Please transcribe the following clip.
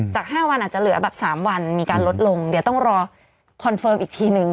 ๕วันอาจจะเหลือแบบ๓วันมีการลดลงเดี๋ยวต้องรอคอนเฟิร์มอีกทีนึง